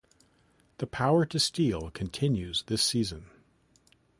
The power to steal continues this season.